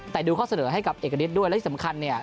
แต่ดูข้อเสนอให้กับเอกฤทธิด้วยและที่สำคัญเนี่ย